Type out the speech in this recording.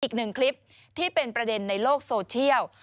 อีกหนึ่งคลิปที่เป็นประเด็นในโลกโซเชียล